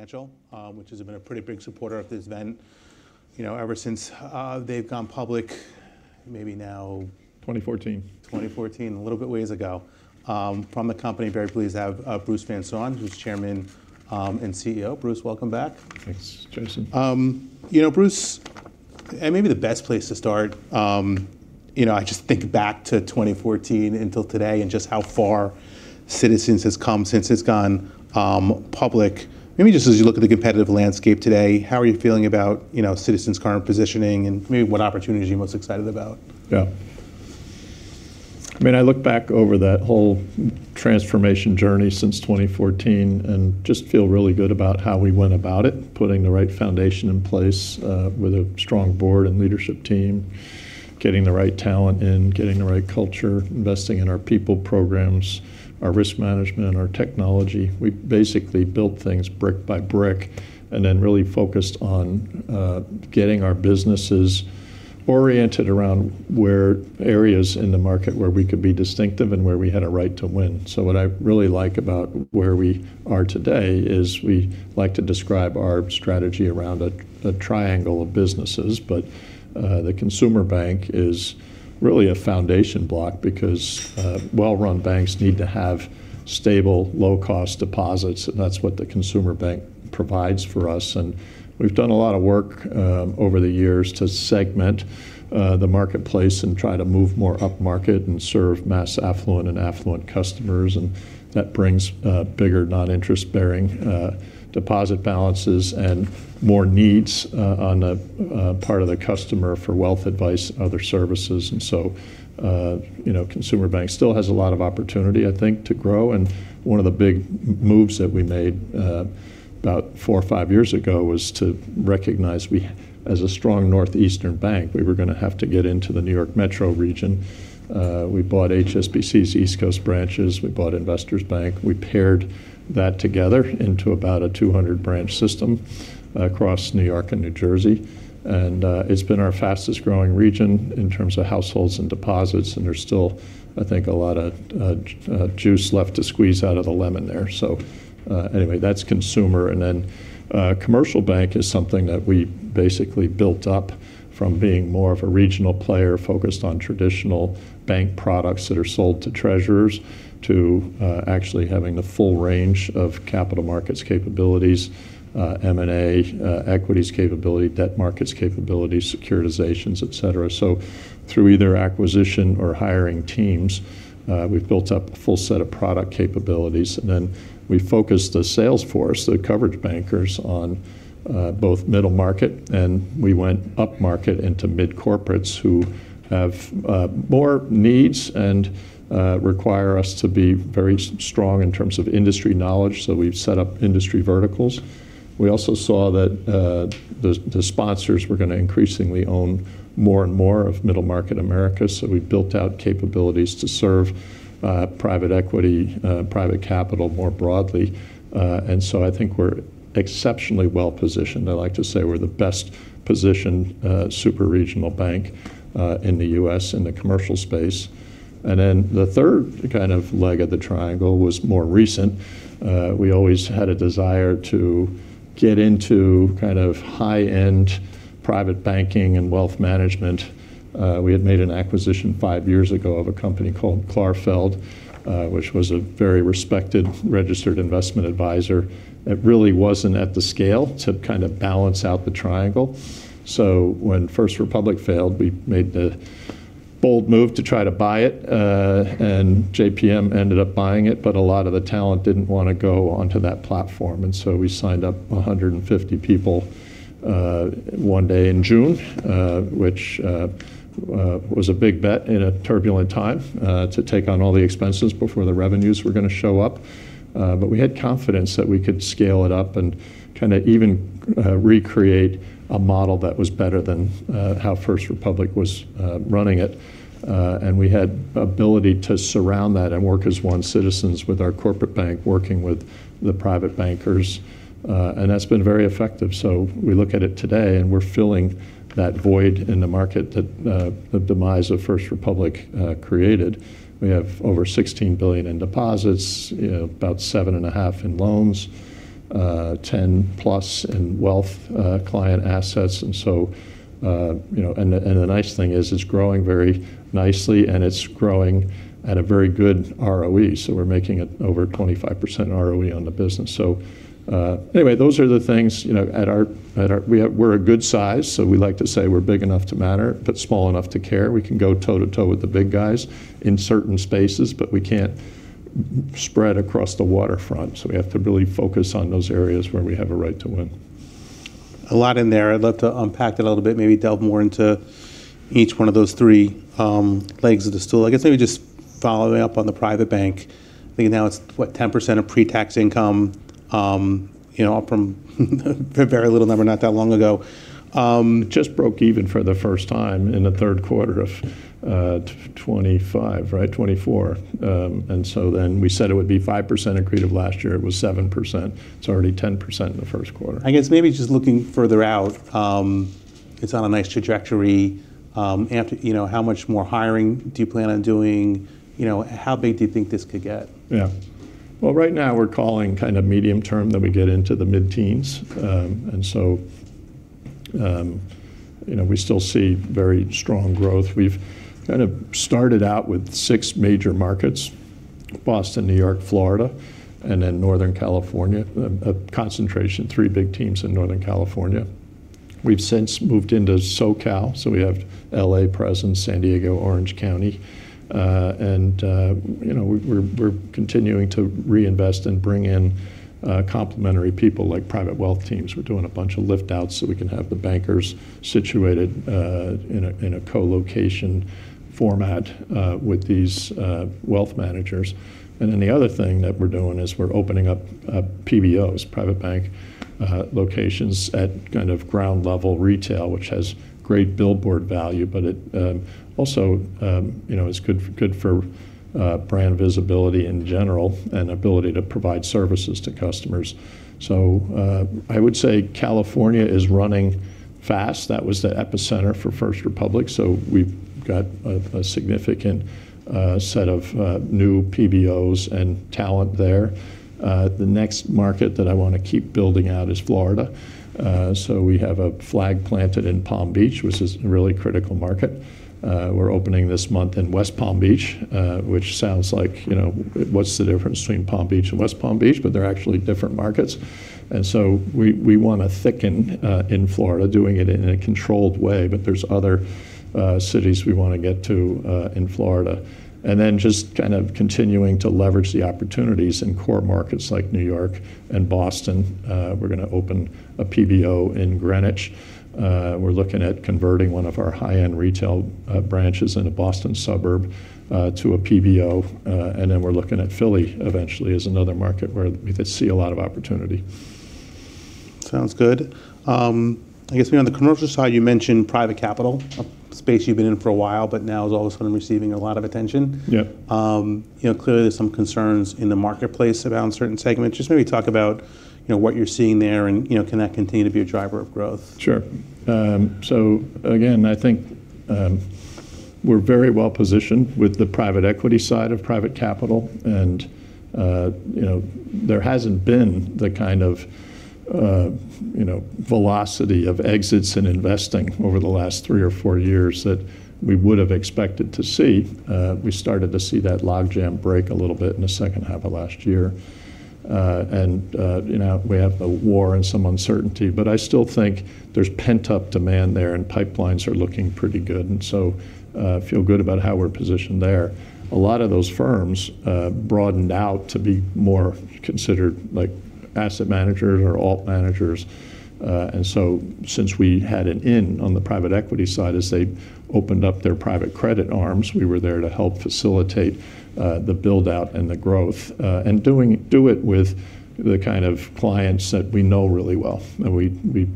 Financial, which has been a pretty big supporter of this event, you know, ever since, they've gone public maybe now. 2014. 2014, a little bit ways ago. From the company, very pleased to have Bruce Van Saun, who's Chairman and CEO. Bruce, welcome back. Thanks, Jason. You know, Bruce, maybe the best place to start, you know, I just think back to 2014 until today and just how far Citizens has come since it's gone public. Maybe just as you look at the competitive landscape today, how are you feeling about, you know, Citizens' current positioning and maybe what opportunities are you most excited about? Yeah. I mean, I look back over that whole transformation journey since 2014 and just feel really good about how we went about it, putting the right foundation in place, with a strong board and leadership team, getting the right talent in, getting the right culture, investing in our people programs, our risk management, our technology. We basically built things brick by brick and then really focused on getting our businesses oriented around where areas in the market where we could be distinctive and where we had a right to win. What I really like about where we are today is we like to describe our strategy around a triangle of businesses. The consumer bank is really a foundation block because well-run banks need to have stable, low-cost deposits, and that's what the consumer bank provides for us. We've done a lot of work over the years to segment the marketplace and try to move more upmarket and serve mass affluent and affluent customers, and that brings bigger non-interest-bearing deposit balances and more needs on the part of the customer for wealth advice, other services. You know, consumer bank still has a lot of opportunity, I think, to grow. One of the big moves that we made about four or five years ago was to recognize we, as a strong northeastern bank, we were going to have to get into the New York metro region. We bought HSBC's East Coast branches. We bought Investors Bank. We paired that together into about a 200 branch system across New York and New Jersey. It's been our fastest-growing region in terms of households and deposits, and there's still, I think, a lot of juice left to squeeze out of the lemon there. Anyway, that's consumer. Commercial bank is something that we basically built up from being more of a regional player focused on traditional bank products that are sold to treasurers to actually having the full range of capital markets capabilities, M&A, equities capability, debt markets capability, securitizations, et cetera. Through either acquisition or hiring teams, we've built up a full set of product capabilities, and then we focused the sales force, the coverage bankers, on both middle market, and we went upmarket into mid-corporates who have more needs and require us to be very strong in terms of industry knowledge, so we've set up industry verticals. We also saw that the sponsors were gonna increasingly own more and more of middle market America, so we built out capabilities to serve private equity, private capital more broadly. I think we're exceptionally well-positioned. I like to say we're the best-positioned superregional bank in the U.S. in the commercial space. The third kind of leg of the triangle was more recent. We always had a desire to get into kind of high-end private banking and wealth management. We had made an acquisition five years ago of a company called Clarfeld, which was a very respected registered investment advisor. It really wasn't at the scale to kind of balance out the triangle. When First Republic Bank failed, we made the bold move to try to buy it, and JPM ended up buying it, but a lot of the talent didn't wanna go onto that platform, we signed up 150 people one day in June, which was a big bet in a turbulent time to take on all the expenses before the revenues were gonna show up. But we had confidence that we could scale it up and kinda even recreate a model that was better than how First Republic was running it. And we had ability to surround that and work as one Citizens with our corporate bank working with the private bankers, and that's been very effective. We look at it today, and we're filling that void in the market that the demise of First Republic created. We have over $16 billion in deposits, you know, about $7.5 billion in loans, $10+ billion in wealth client assets. You know, and the nice thing is it's growing very nicely, and it's growing at a very good ROE, so we're making it over 25% ROE on the business. Anyway, those are the things, you know, we're a good size, so we like to say we're big enough to matter but small enough to care. We can go toe-to-toe with the big guys in certain spaces, but we can't spread across the waterfront, so we have to really focus on those areas where we have a right to win. A lot in there. I'd love to unpack that a little bit, maybe delve more into each one of those three legs of the stool. I guess maybe just following up on the private bank, I think now it's, what, 10% of pre-tax income, you know, from a very little number not that long ago. Just broke even for the first time in the third quarter of 2025, right? 2024. We said it would be 5% accretive last year. It was 7%. It's already 10% in the first quarter. I guess maybe just looking further out, It's on a nice trajectory. You know, how much more hiring do you plan on doing? You know, how big do you think this could get? Well, right now we're calling kind of medium term that we get into the mid-teens. You know, we still see very strong growth. We've kind of started out with six major markets, Boston, New York, Florida, Northern California, a concentration, three big teams in Northern California. We've since moved into SoCal, so we have L.A. presence, San Diego, Orange County. You know, we're continuing to reinvest and bring in complementary people like private wealth teams. We're doing a bunch of lift-outs so we can have the bankers situated in a co-location format with these wealth managers. The other thing that we're doing is we're opening up PBOs, private bank locations at kind of ground level retail, which has great billboard value, but it also, you know, is good for brand visibility in general and ability to provide services to customers. I would say California is running fast. That was the epicenter for First Republic, so we've got a significant set of new PBOs and talent there. The next market that I wanna keep building out is Florida. We have a flag planted in Palm Beach, which is a really critical market. We're opening this month in West Palm Beach, which sounds like, you know, what's the difference between Palm Beach and West Palm Beach, but they're actually different markets. We wanna thicken in Florida, doing it in a controlled way, but there's other cities we wanna get to in Florida. Just kind of continuing to leverage the opportunities in core markets like New York and Boston. We're gonna open a PBO in Greenwich. We're looking at converting one of our high-end retail branches in a Boston suburb to a PBO, we're looking at Philly eventually as another market where we could see a lot of opportunity. Sounds good. I guess maybe on the commercial side, you mentioned private capital, a space you've been in for a while, but now is all of a sudden receiving a lot of attention. Yeah. You know, clearly there's some concerns in the marketplace around certain segments. Just maybe talk about, you know, what you're seeing there and, you know, can that continue to be a driver of growth? Sure. Again, I think, we're very well-positioned with the private equity side of private capital. You know, there hasn't been the kind of, you know, velocity of exits in investing over the last three or four years that we would have expected to see. We started to see that logjam break a little bit in the second half of last year. You know, we have the war and some uncertainty. I still think there's pent-up demand there and pipelines are looking pretty good. Feel good about how we're positioned there. A lot of those firms broadened out to be more considered like asset managers or alt managers. Since we had an in on the private equity side, as they opened up their private credit arms, we were there to help facilitate the build-out and the growth, and do it with the kind of clients that we know really well. We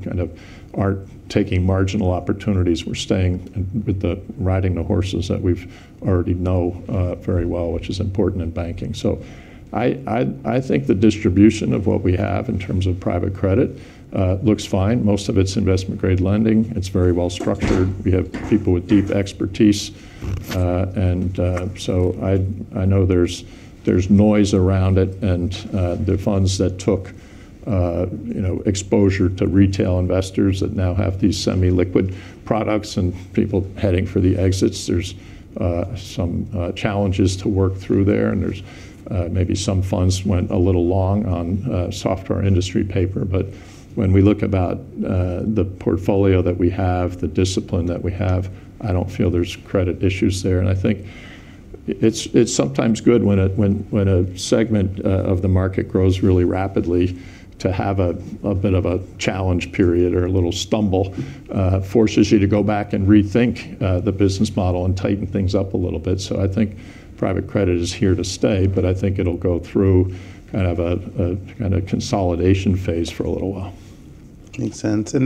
kind of aren't taking marginal opportunities. We're staying with riding the horses that we've already know very well, which is important in banking. I think the distribution of what we have in terms of private credit looks fine. Most of it's investment-grade lending. It's very well structured. We have people with deep expertise. I know there's noise around it and the funds that took, you know, exposure to retail investors that now have these semi-liquid products and people heading for the exits. There's some challenges to work through there, and there's maybe some funds went a little long on software industry paper. When we look about the portfolio that we have, the discipline that we have, I don't feel there's credit issues there. I think it's sometimes good when a segment of the market grows really rapidly to have a bit of a challenge period or a little stumble, forces you to go back and rethink the business model and tighten things up a little bit. I think private credit is here to stay, but I think it'll go through kind of a kind of consolidation phase for a little while. Makes sense. On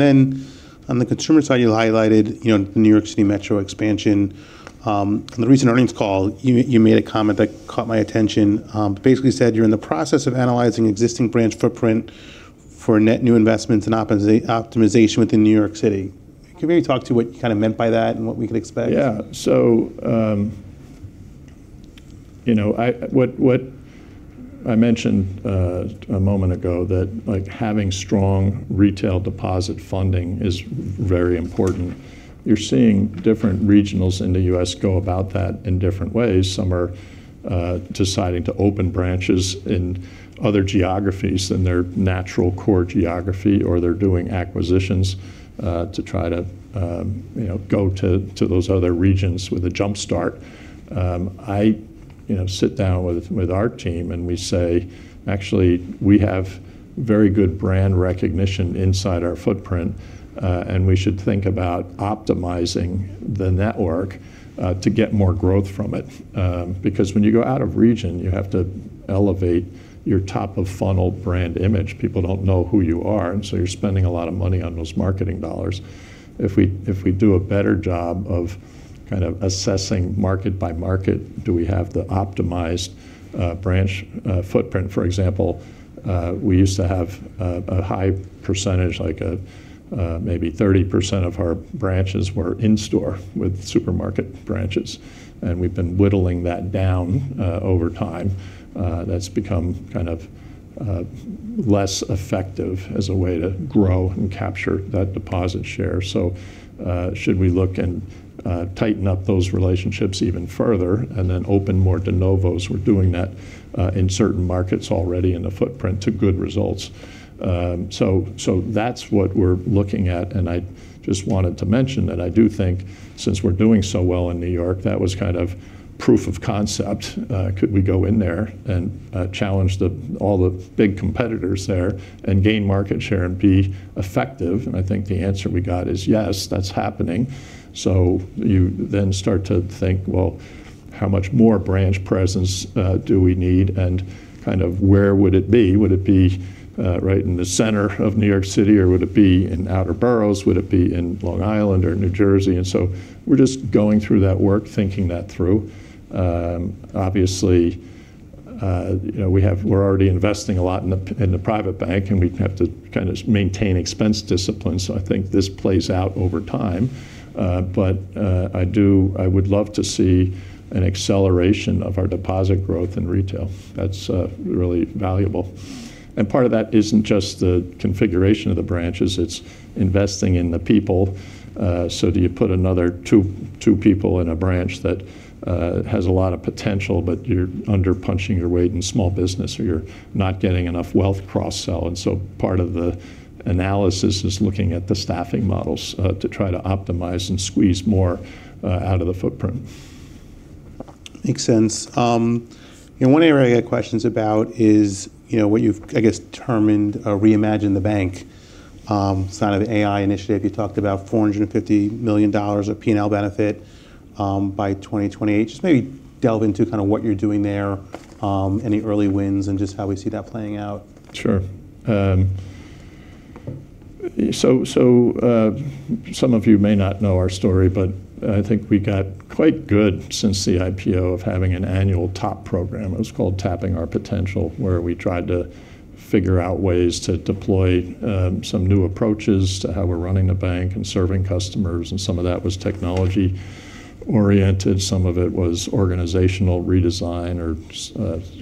the consumer side, you highlighted, you know, New York City metro expansion. On the recent earnings call, you made a comment that caught my attention. Basically said you're in the process of analyzing existing branch footprint for net new investments and optimization within New York City. Can you maybe talk to what you kinda meant by that and what we could expect? Yeah. You know, what I mentioned a moment ago that, like, having strong retail deposit funding is very important. You're seeing different regionals in the U.S. go about that in different ways. Some are deciding to open branches in other geographies than their natural core geography, or they're doing acquisitions to try to, you know, go to those other regions with a jump start. You know, sit down with our team, and we say, "Actually, we have very good brand recognition inside our footprint, and we should think about optimizing the network to get more growth from it." Because when you go out of region, you have to elevate your top-of-funnel brand image. People don't know who you are, you're spending a lot of money on those marketing dollars. If we do a better job of kind of assessing market by market, do we have the optimized branch footprint? For example, we used to have a high percentage, like, maybe 30% of our branches were in store with supermarket branches, and we've been whittling that down over time. That's become kind of less effective as a way to grow and capture that deposit share. Should we look and tighten up those relationships even further and then open more de novos? We're doing that in certain markets already in the footprint to good results. That's what we're looking at, and I just wanted to mention that I do think since we're doing so well in New York, that was kind of proof of concept. Could we go in there and challenge all the big competitors there and gain market share and be effective? I think the answer we got is yes, that's happening. You then start to think, well, how much more branch presence do we need, and kind of where would it be? Would it be right in the center of New York City, or would it be in outer boroughs? Would it be in Long Island or New Jersey? We're just going through that work, thinking that through. Obviously, you know, we're already investing a lot in the private bank, and we have to kind of maintain expense discipline, so I think this plays out over time. I do, I would love to see an acceleration of our deposit growth in retail. That's really valuable. Part of that isn't just the configuration of the branches, it's investing in the people. Do you put another two people in a branch that has a lot of potential, but you're under-punching your weight in small business, or you're not getting enough wealth cross-sell. Part of the analysis is looking at the staffing models to try to optimize and squeeze more out of the footprint. Makes sense. You know, one area I had questions about is, you know, what you've, I guess, determined or Reimagine the Bank side of the AI initiative. You talked about $450 million of P&L benefit by 2028. Just maybe delve into kind of what you're doing there, any early wins, and just how we see that playing out. Sure. Some of you may not know our story, but I think we got quite good since the IPO of having an annual TOP program. It was called Tapping Our Potential, where we tried to figure out ways to deploy some new approaches to how we're running the bank and serving customers, and some of that was technology-oriented, some of it was organizational redesign or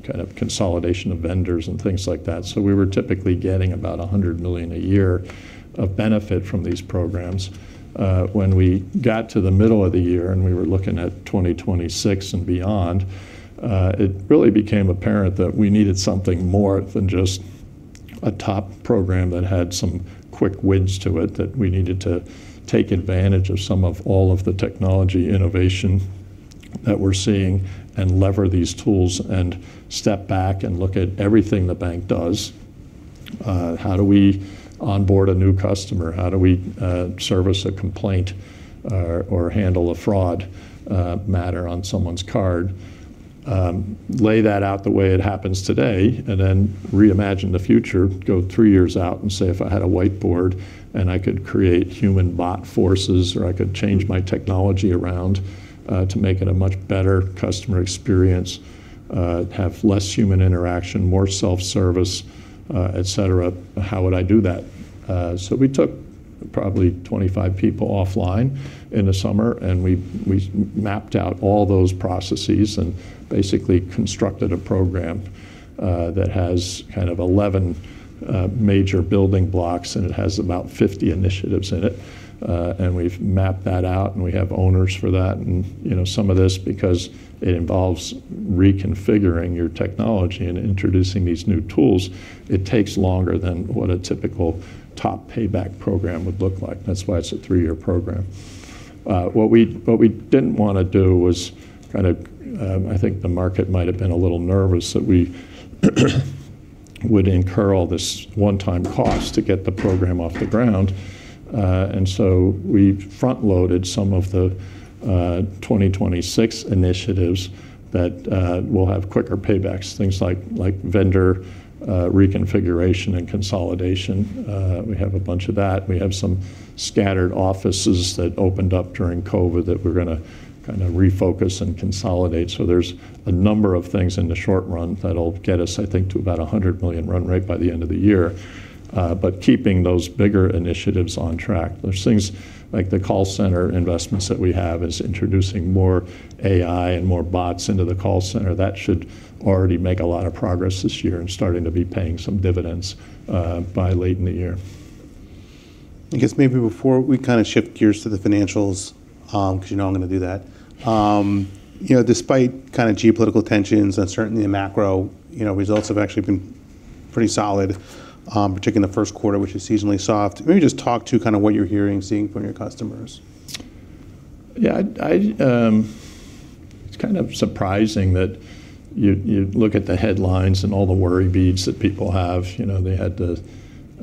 kind of consolidation of vendors and things like that. We were typically getting about $100 million a year of benefit from these programs. When we got to the middle of the year and we were looking at 2026 and beyond, it really became apparent that we needed something more than just a TOP program that had some quick wins to it, that we needed to take advantage of some of all of the technology innovation that we're seeing and lever these tools and step back and look at everything the bank does. How do we onboard a new customer? How do we service a complaint or handle a fraud matter on someone's card? Lay that out the way it happens today, and then reimagine the future. Go three years out and say, if I had a whiteboard and I could create human bot forces, or I could change my technology around to make it a much better customer experience, have less human interaction, more self-service, et cetera, how would I do that? We took probably 25 people offline in the summer, and we mapped out all those processes and basically constructed a program that has kind of 11 major building blocks, and it has about 50 initiatives in it. We've mapped that out, and we have owners for that. You know, some of this, because it involves reconfiguring your technology and introducing these new tools, it takes longer than what a typical TOP payback program would look like. That's why it's a three-year program. What we didn't want to do was kind of, I think the market might have been a little nervous that we would incur all this one-time cost to get the program off the ground. We front-loaded some of the 2026 initiatives that will have quicker paybacks, things like vendor reconfiguration and consolidation. We have a bunch of that. We have some scattered offices that opened up during COVID that we're gonna kinda refocus and consolidate. There's a number of things in the short run that'll get us, I think, to about a $100 million run rate by the end of the year, but keeping those bigger initiatives on track. There's things like the call center investments that we have is introducing more AI and more bots into the call center. That should already make a lot of progress this year and starting to be paying some dividends, by late in the year. I guess maybe before we kind of shift gears to the financials, because you know I'm going to do that. You know, despite kind of geopolitical tensions, uncertainty in macro, you know, results have actually been pretty solid, particularly in the first quarter, which is seasonally soft. Maybe just talk to kind of what you're hearing and seeing from your customers. Yeah, I, it's kind of surprising that you look at the headlines and all the worry beads that people have. You know, they had the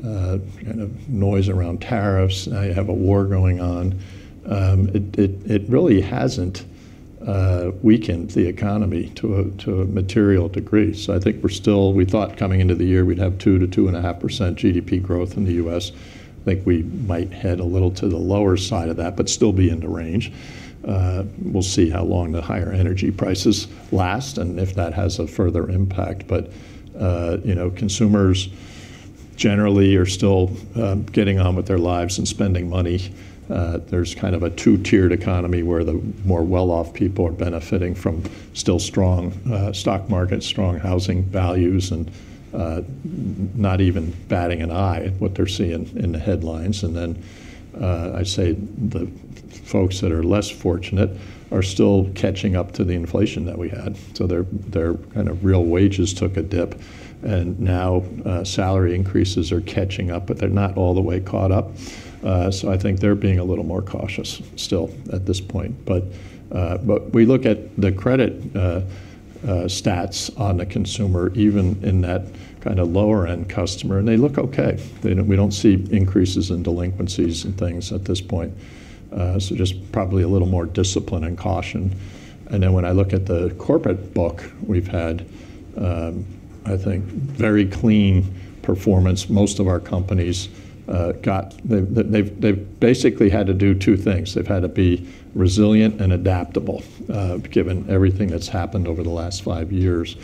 kind of noise around tariffs. Now you have a war going on. It really hasn't weakened the economy to a material degree. I think we're still. We thought coming into the year we'd have 2% to 2.5% GDP growth in the U.S. I think we might head a little to the lower side of that, but still be in the range. We'll see how long the higher energy prices last and if that has a further impact. You know, consumers generally are still getting on with their lives and spending money. There's kind of a two-tiered economy where the more well-off people are benefiting from still strong stock market, strong housing values, and not even batting an eye at what they're seeing in the headlines. I'd say the folks that are less fortunate are still catching up to the inflation that we had. Their kind of real wages took a dip, and now salary increases are catching up, but they're not all the way caught up. I think they're being a little more cautious still at this point. We look at the credit stats on the consumer, even in that kind of lower end customer, and they look okay. We don't see increases in delinquencies and things at this point, just probably a little more discipline and caution. Then when I look at the corporate book, we've had, I think, very clean performance. Most of our companies, They've basically had to do two things. They've had to be resilient and adaptable, given everything that's happened over the last five years.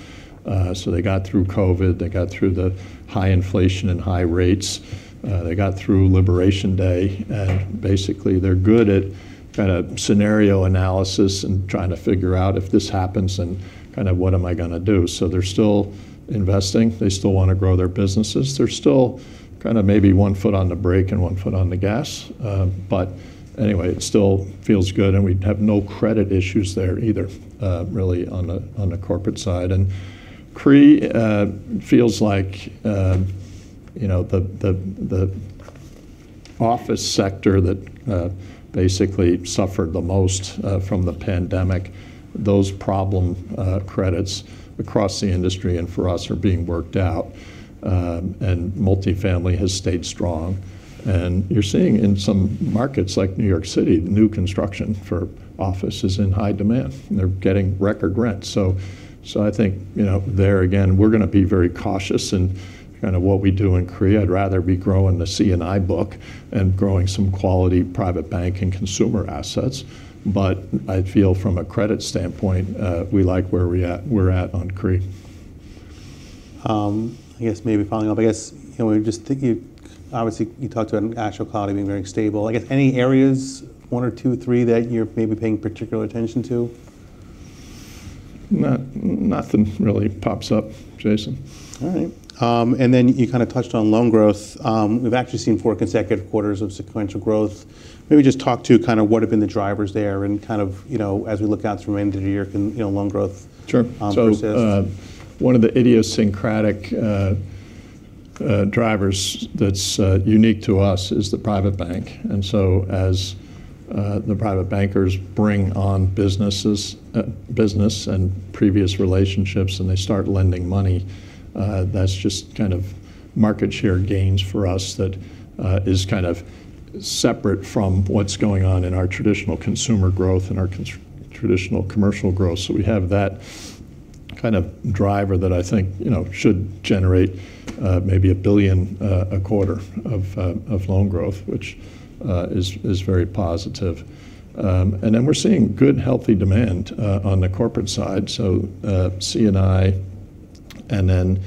They got through COVID, they got through the high inflation and high rates, they got through Liberation Day. Basically, they're good at kind of scenario analysis and trying to figure out if this happens, then kind of what am I gonna do? They're still investing. They still want to grow their businesses. They're still kind of maybe one foot on the brake and one foot on the gas. But anyway, it still feels good, and we have no credit issues there either, really on a corporate side. CRE feels like, you know, the office sector that basically suffered the most from the pandemic. Those problem credits across the industry and for us are being worked out. Multifamily has stayed strong. You're seeing in some markets like New York City, the new construction for office is in high demand, and they're getting record rents. I think, you know, there again, we're gonna be very cautious in kind of what we do in CRE. I'd rather be growing the C&I book and growing some quality private bank and consumer assets. I feel from a credit standpoint, we like where we're at on CRE. I guess maybe following up, you know, we're just thinking obviously you talked about actual cloud being very stable. I guess any areas, one or two, three, that you're maybe paying particular attention to? nothing really pops up, Jason. All right. You kind of touched on loan growth. We've actually seen four consecutive quarters of sequential growth. Maybe just talk to kind of what have been the drivers there and kind of, you know, as we look out to the remainder of the year? Sure persist? One of the idiosyncratic drivers that's unique to us is the private bank. As the private bankers bring on businesses, business and previous relationships, and they start lending money, that's just kind of market share gains for us that is kind of separate from what's going on in our traditional consumer growth and our traditional commercial growth. We have that kind of driver that I think, you know, should generate maybe $1 billion a quarter of loan growth, which is very positive. We're seeing good, healthy demand on the corporate side. C&I and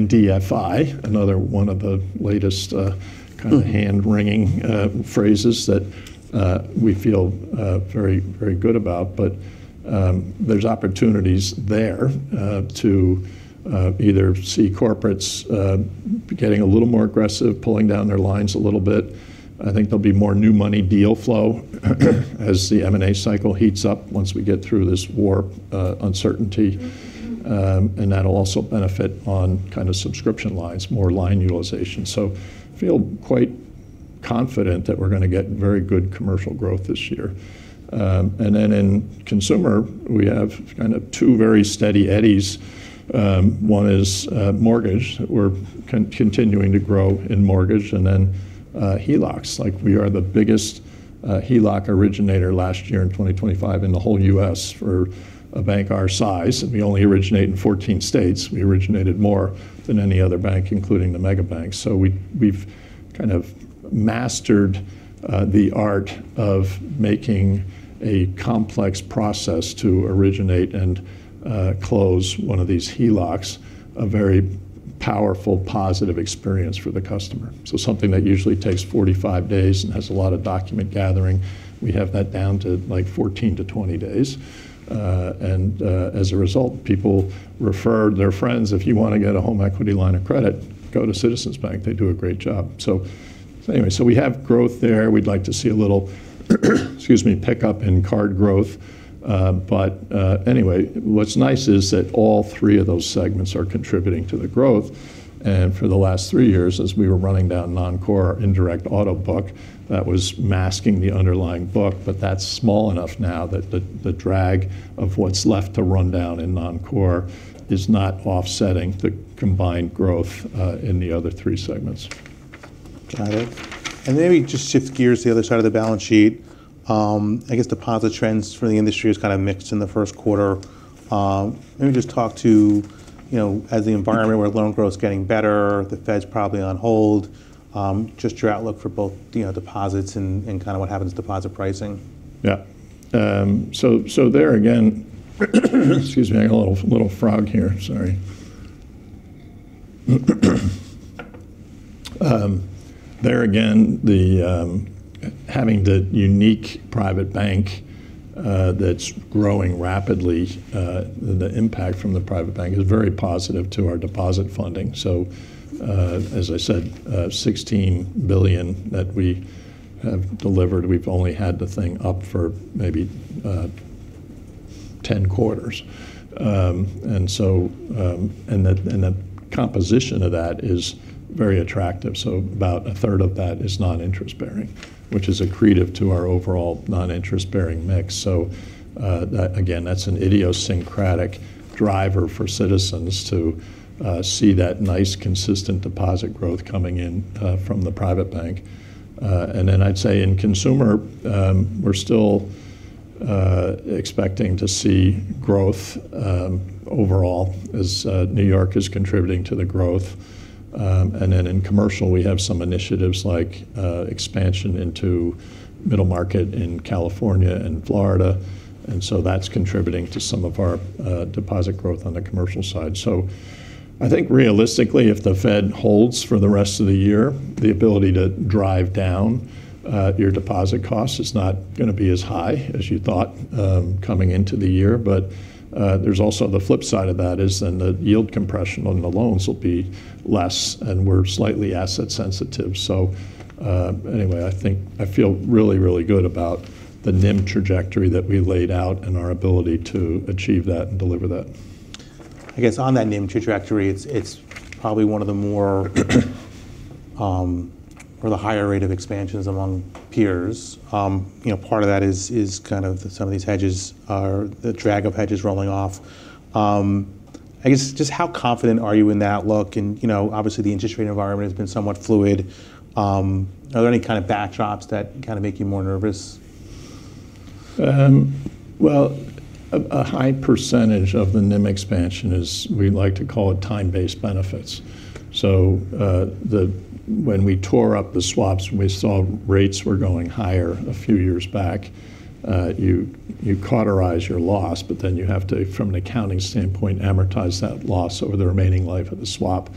MDFI, another one of the latest kind of hand-wringing phrases that we feel very good about. There's opportunities there to either see corporates getting a little more aggressive, pulling down their lines a little bit. I think there'll be more new money deal flow as the M&A cycle heats up once we get through this war uncertainty. And that'll also benefit on kind of subscription lines, more line utilization. Feel quite confident that we're gonna get very good commercial growth this year. And then in consumer, we have kind of two very steady eddies. One is mortgage. We're continuing to grow in mortgage. And then HELOCs, like we are the biggest HELOC originator last year in 2025 in the whole U.S. for a bank our size, and we only originate in 14 states. We originated more than any other bank, including the mega banks. We've kind of mastered the art of making a complex process to originate and close one of these HELOCs a very powerful, positive experience for the customer. Something that usually takes 45 days and has a lot of document gathering, we have that down to, like, 14-20 days. As a result, people refer their friends. "If you wanna get a home equity line of credit, go to Citizens Bank. They do a great job." We have growth there. We'd like to see a little pickup in card growth. What's nice is that all three of those segments are contributing to the growth. For the last three years, as we were running down non-core indirect auto book, that was masking the underlying book, but that's small enough now that the drag of what's left to run down in non-core is not offsetting the combined growth in the other three segments. Got it. Maybe just shift gears the other side of the balance sheet. I guess deposit trends for the industry is kind of mixed in the first quarter. Let me just talk to, you know, as the environment where loan growth is getting better, the Fed is probably on hold, just your outlook for both, you know, deposits and kind of what happens to deposit pricing. Yeah. So there again, excuse me, I have a little frog here. Sorry. There again, the having the unique private bank that's growing rapidly, the impact from the private bank is very positive to our deposit funding. As I said, $16 billion that we have delivered, we've only had the thing up for maybe 10 quarters. The composition of that is very attractive. About a third of that is non-interest bearing, which is accretive to our overall non-interest bearing mix. That, again, that's an idiosyncratic driver for Citizens to see that nice, consistent deposit growth coming in from the private bank. I'd say in consumer, we're still expecting to see growth overall as New York is contributing to the growth. And then in commercial, we have some initiatives like expansion into middle market in California and Florida, that's contributing to some of our deposit growth on the commercial side. I think realistically, if the Fed holds for the rest of the year, the ability to drive down your deposit costs is not going to be as high as you thought coming into the year. There's also the flip side of that is then the yield compression on the loans will be less, and we're slightly asset sensitive. Anyway, I think I feel really, really good about the NIM trajectory that we laid out and our ability to achieve that and deliver that. I guess on that NIM trajectory, it's probably one of the more, or the higher rate of expansions among peers. You know, part of that is kind of some of these hedges are the drag of hedges rolling off. I guess just how confident are you in the outlook and, you know, obviously the interest rate environment has been somewhat fluid. Are there any kind of backdrops that kinda make you more nervous? Well, a high percentage of the NIM expansion is we like to call it time-based benefits. When we tore up the swaps, when we saw rates were going higher a few years back, you cauterize your loss, but then you have to, from an accounting standpoint, amortize that loss over the remaining life of the swap.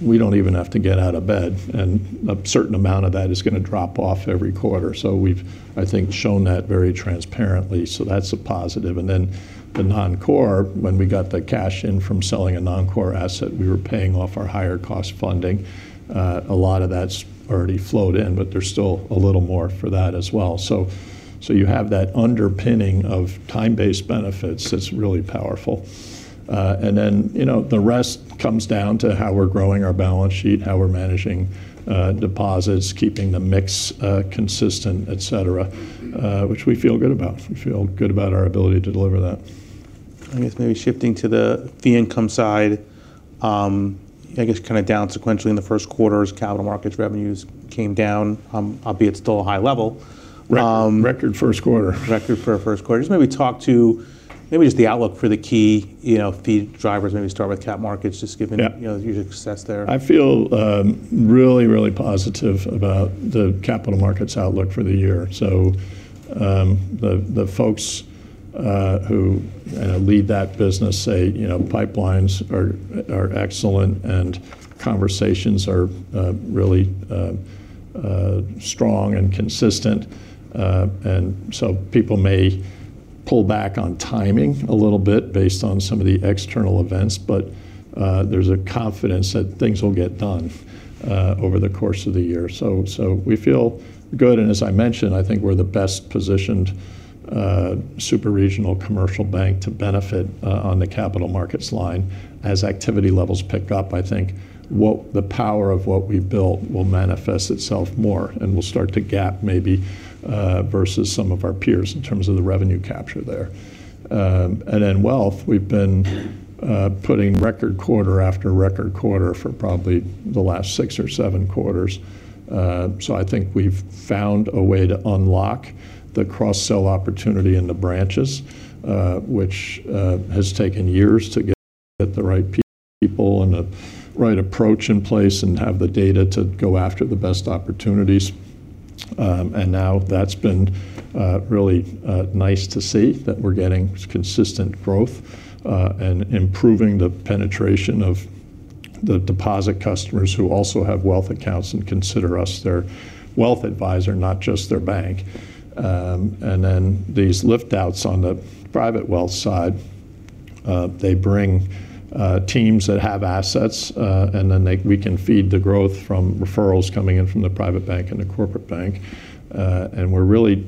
We don't even have to get out of bed, and a certain amount of that is gonna drop off every quarter. We've, I think, shown that very transparently, that's a positive. The non-core, when we got the cash in from selling a non-core asset, we were paying off our higher cost funding. A lot of that's already flowed in, but there's still a little more for that as well. You have that underpinning of time-based benefits that's really powerful. You know, the rest comes down to how we're growing our balance sheet, how we're managing deposits, keeping the mix consistent, et cetera, which we feel good about. We feel good about our ability to deliver that. I guess maybe shifting to the fee income side. I guess kinda down sequentially in the first quarter as capital markets revenues came down, albeit still a high level. record first quarter. Record for a first quarter. Just maybe talk to maybe just the outlook for the key, you know, fee drivers. Maybe start with cap markets. Yeah you know, the success there. I feel really positive about the capital markets outlook for the year. The folks who lead that business say, you know, pipelines are excellent and conversations are really strong and consistent. People may pull back on timing a little bit based on some of the external events, there's a confidence that things will get done over the course of the year. We feel good, and as I mentioned, I think we're the best-positioned superregional commercial bank to benefit on the capital markets line. As activity levels pick up, I think what the power of what we've built will manifest itself more, and we'll start to gap maybe versus some of our peers in terms of the revenue capture there. In wealth, we've been putting record quarter after record quarter for probably the last six or seven quarters. I think we've found a way to unlock the cross-sell opportunity in the branches, which has taken years to get the right people and the right approach in place and have the data to go after the best opportunities. Now that's been really nice to see that we're getting consistent growth and improving the penetration of the deposit customers who also have wealth accounts and consider us their wealth advisor, not just their bank. These lift-outs on the private wealth side, they bring teams that have assets, and then we can feed the growth from referrals coming in from the private bank and the corporate bank. We're really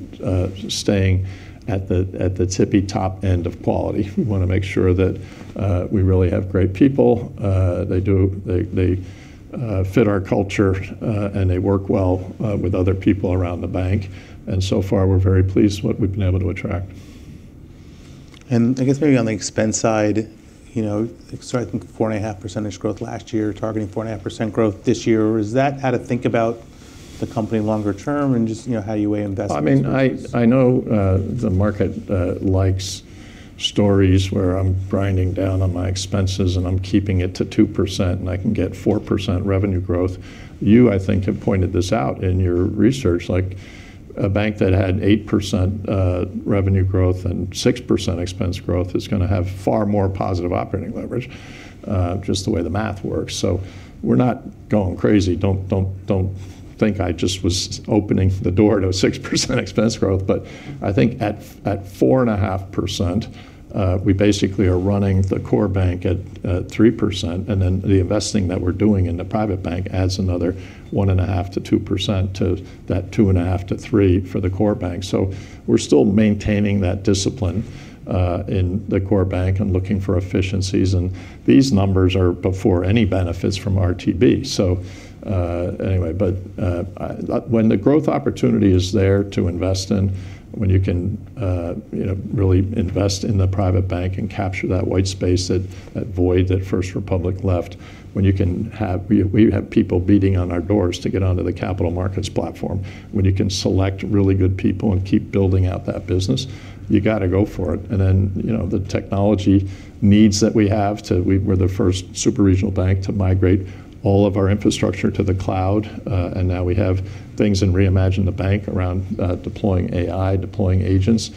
staying at the tippy top end of quality. We wanna make sure that we really have great people. They fit our culture, and they work well with other people around the bank. So far, we're very pleased what we've been able to attract. I guess maybe on the expense side, you know, so I think 4.5% growth last year, targeting 4.5% growth this year. Is that how to think about the company longer term and just, you know, how you weigh investments? I mean, I know, the market, likes stories where I'm grinding down on my expenses and I'm keeping it to 2% and I can get 4% revenue growth. You, I think, have pointed this out in your research. Like, a bank that had 8% revenue growth and 6% expense growth is going to have far more positive operating leverage, just the way the math works. We're not going crazy. Don't think I just was opening the door to a 6% expense growth. I think at 4.5%, we basically are running the core bank at 3%, and then the investing that we're doing in the private bank adds another 1.5%-2% to that 2.5%-3% for the core bank. We're still maintaining that discipline in the core bank and looking for efficiencies. These numbers are before any benefits from RTB. When the growth opportunity is there to invest in, when you can, you know, really invest in the private bank and capture that white space, that void that First Republic left, when you can have, we have people beating on our doors to get onto the capital markets platform. When you can select really good people and keep building out that business, you gotta go for it. You know, the technology needs. We're the first superregional bank to migrate all of our infrastructure to the cloud, and now we have things in Reimagine the Bank around deploying AI, deploying agents.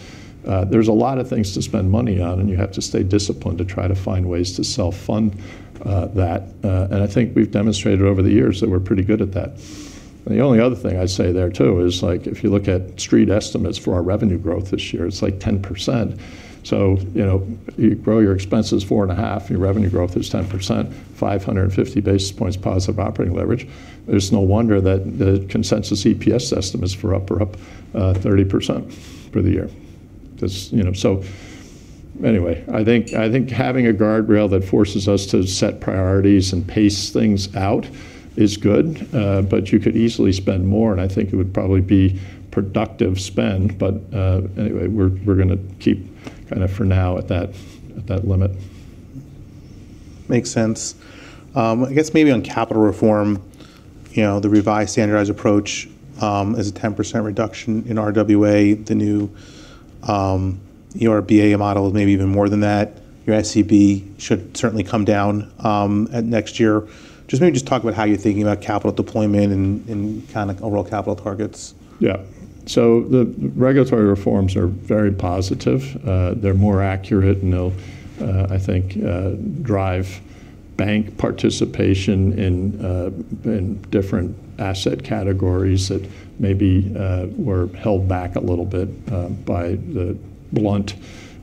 There's a lot of things to spend money on, and you have to stay disciplined to try to find ways to self-fund, that. I think we've demonstrated over the years that we're pretty good at that. The only other thing I'd say there too is, like, if you look at street estimates for our revenue growth this year, it's like 10%. You know, you grow your expenses 4.5%, your revenue growth is 10%, 550 basis points positive operating leverage. It's no wonder that the consensus EPS estimates for up are up, 30% for the year. That's, you know. Anyway, I think having a guardrail that forces us to set priorities and pace things out is good, but you could easily spend more, and I think it would probably be productive spend. Anyway, we're gonna keep kinda for now at that, at that limit. Makes sense. I guess maybe on capital reform, you know, the revised standardized approach, is a 10% reduction in RWA. The new CECL model is maybe even more than that. Your SCB should certainly come down at next year. Just maybe just talk about how you're thinking about capital deployment and kind of overall capital targets. Yeah. The regulatory reforms are very positive. They're more accurate, and they'll, I think, drive bank participation in different asset categories that maybe were held back a little bit by the blunt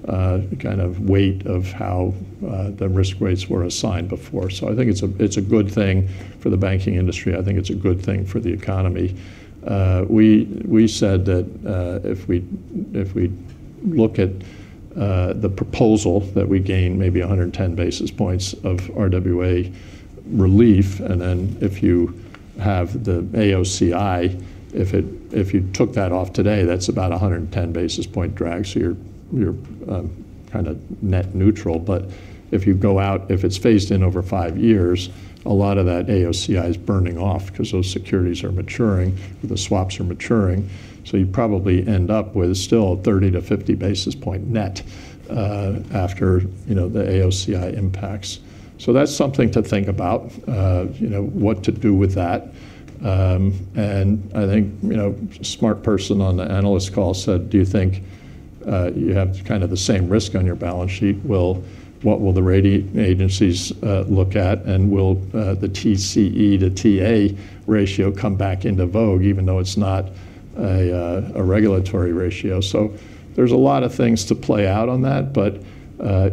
kind of weight of how the risk weights were assigned before. I think it's a good thing for the banking industry. I think it's a good thing for the economy. We said that if we look at the proposal that we gain maybe 110 basis points of RWA relief, and then if you have the AOCI, if you took that off today, that's about 110 basis point drag, you're kinda net neutral. If you go out, if it's phased in over five years, a lot of that AOCI is burning off because those securities are maturing, the swaps are maturing, so you probably end up with still a 30-50 basis point net, after, you know, the AOCI impacts. That's something to think about, you know, what to do with that. I think, you know, smart person on the analyst call said, "Do you think you have kind of the same risk on your balance sheet? What will the rating agencies look at, and will the TCE to TA ratio come back into vogue even though it's not a regulatory ratio? There's a lot of things to play out on that, but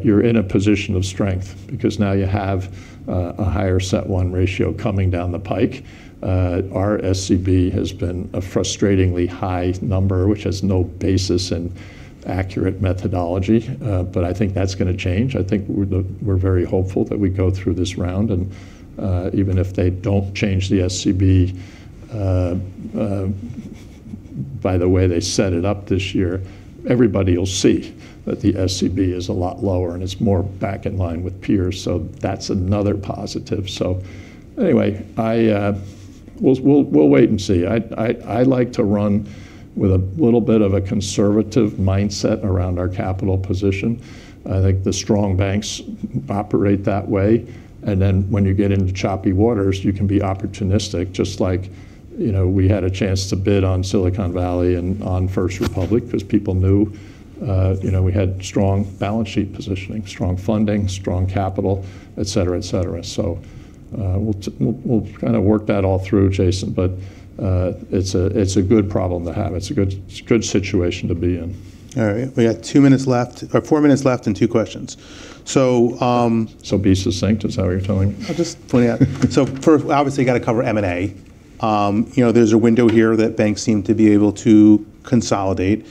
you're in a position of strength because now you have a higher CET1 ratio coming down the pike. Our SCB has been a frustratingly high number, which has no basis in accurate methodology, but I think that's gonna change. I think we're very hopeful that we go through this round and even if they don't change the SCB, by the way they set it up this year everybody will see that the SCB is a lot lower, and it's more back in line with peers. That's another positive. Anyway, we'll wait and see. I like to run with a little bit of a conservative mindset around our capital position. I think the strong banks operate that way, and then when you get into choppy waters, you can be opportunistic, just like, you know, we had a chance to bid on Silicon Valley and on First Republic because people knew, you know, we had strong balance sheet positioning, strong funding, strong capital, et cetera, et cetera. We'll kinda work that all through, Jason. It's a good problem to have. It's a good, it's a good situation to be in. All right. We got two minutes left, or four minutes left and two questions. Be succinct is how you're telling me? I'll just point out. Obviously you gotta cover M&A. You know, there's a window here that banks seem to be able to consolidate.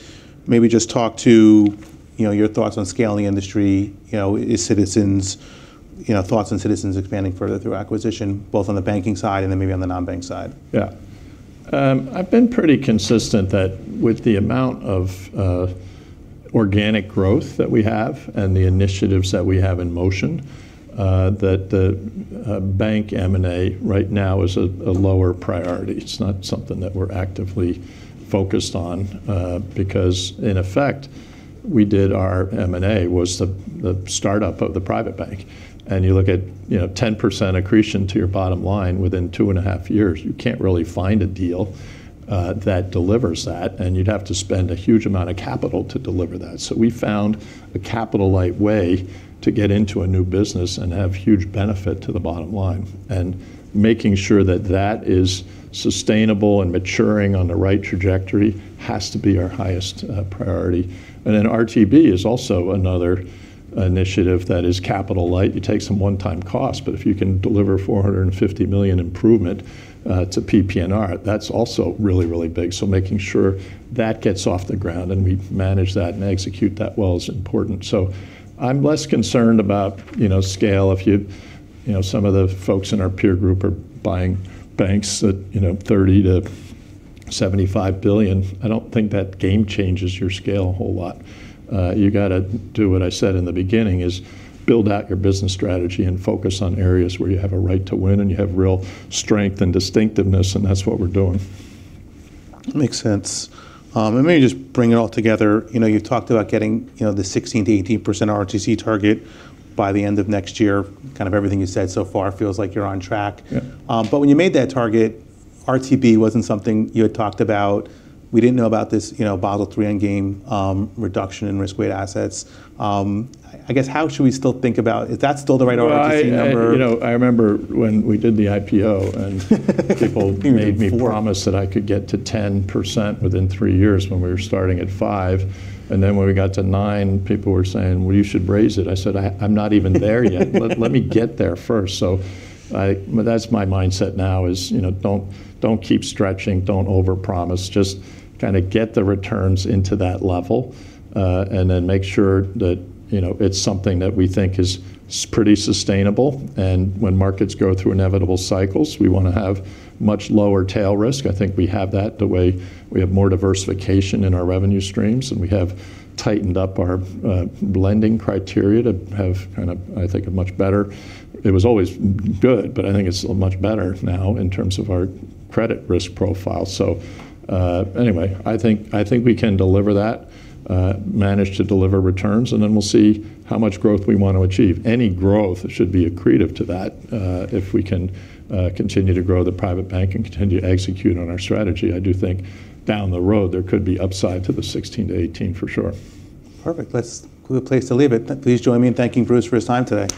Maybe just talk to, you know, your thoughts on scaling the industry, you know, is Citizens, you know, thoughts on Citizens expanding further through acquisition, both on the banking side and then maybe on the non-bank side. Yeah. I've been pretty consistent that with the amount of organic growth that we have and the initiatives that we have in motion, that the bank M&A right now is a lower priority. It's not something that we're actively focused on, because in effect we did our M&A was the startup of the private bank. You look at, you know, 10% accretion to your bottom line within two and a half years, you can't really find a deal that delivers that, and you'd have to spend a huge amount of capital to deliver that. We found a capital light way to get into a new business and have huge benefit to the bottom line, and making sure that that is sustainable and maturing on the right trajectory has to be our highest priority. RTB is also another initiative that is capital light. You take some one-time costs, but if you can deliver $450 million improvement to PPNR, that's also really, really big. Making sure that gets off the ground and we manage that and execute that well is important. I'm less concerned about, you know, scale. If you know, some of the folks in our peer group are buying banks at, you know, $30 billion-$75 billion. I don't think that game changes your scale a whole lot. You gotta do what I said in the beginning is build out your business strategy and focus on areas where you have a right to win and you have real strength and distinctiveness, and that's what we're doing. Makes sense. Maybe just bring it all together. You know, you've talked about getting, you know, the 16%-18% ROTCE target by the end of next year. Kind of everything you said so far feels like you're on track. Yeah. When you made that target, RTB wasn't something you had talked about. We didn't know about this, you know, Basel III Endgame, reduction in risk-weighted assets. I guess how should we still think about it? Is that still the right ROTCE number? I, you know, I remember when we did the IPO, people made me promise that I could get to 10% within three years when we were starting at five, then when we got to nine, people were saying, "Well, you should raise it." I said, "I'm not even there yet. Let me get there first." That's my mindset now is, you know, don't keep stretching, don't over-promise. Just kinda get the returns into that level, and then make sure that, you know, it's something that we think is pretty sustainable. When markets go through inevitable cycles, we wanna have much lower tail risk. I think we have that the way we have more diversification in our revenue streams, and we have tightened up our lending criteria. It was always good, but I think it's a much better now in terms of our credit risk profile. I think we can deliver that, manage to deliver returns, we'll see how much growth we want to achieve. Any growth should be accretive to that. If we can continue to grow the private bank and continue to execute on our strategy, I do think down the road there could be upside to the 16%-18% for sure. Perfect. That's a good place to leave it. Please join me in thanking Bruce for his time today.